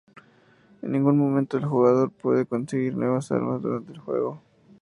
En ningún momento, el jugador puede conseguir nuevas armas durante el juego.